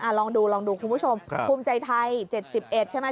ลองดูลองดูคุณผู้ชมภูมิใจไทย๗๑ใช่ไหม